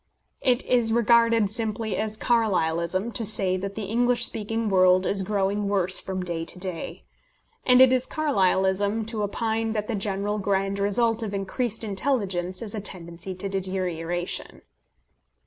It is regarded simply as Carlylism to say that the English speaking world is growing worse from day to day. And it is Carlylism to opine that the general grand result of increased intelligence is a tendency to deterioration.